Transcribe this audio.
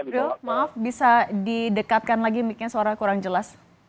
abdul maaf bisa didekatkan lagi miknya suara kurang jelas